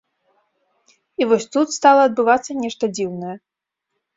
І вось тут стала адбывацца нешта дзіўнае.